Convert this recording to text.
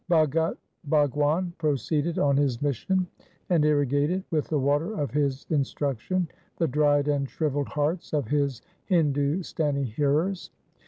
Bhagat Bhagwan proceeded on his mission and irrigated with the water of his instruction the dried and shrivelled hearts of his Hindustani hearers.